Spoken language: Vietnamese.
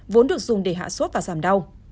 vốn được dùng để hạ sốt và giảm đau